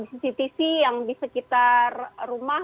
cctv yang di sekitar rumah